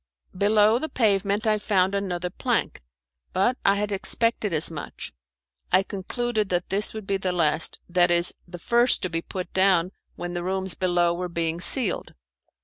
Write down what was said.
Below the pavement I found another plank, but I had expected as much. I concluded that this would be the last; that is the first to be put down when the rooms below were being ceiled.